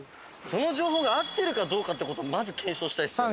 その情報が合ってるかどうかって事をまず検証したいですよね。